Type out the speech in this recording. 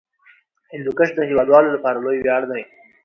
هندوکش د هیوادوالو لپاره لوی ویاړ دی.